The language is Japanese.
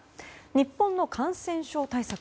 日本の感染症対策